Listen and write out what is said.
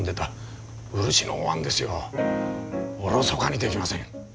おろそかにできません。